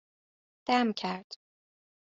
دم کرد